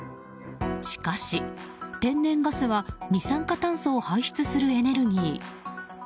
しかし、天然ガスは二酸化炭素を排出するエネルギー。